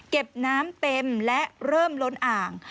เก็บน้ำเต็มและเริ่มล้นอ่าง